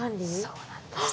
そうなんです。